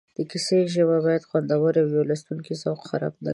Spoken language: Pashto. د کیسې ژبه باید خوندوره وي او د لوستونکي ذوق خراب نه کړي